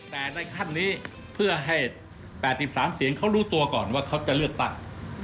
แต่ในขั้นนี้เพื่อให้๘๓เสียงเขารู้ตัวก่อนว่าเขาจะเลือกตั้ง